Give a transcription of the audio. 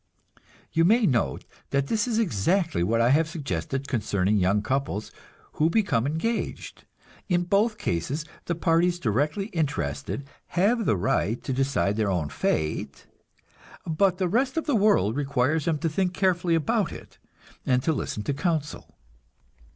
You may note that this is exactly what I have suggested concerning young couples who become engaged. In both cases, the parties directly interested have the right to decide their own fate, but the rest of the world requires them to think carefully about it, and to listen to counsel.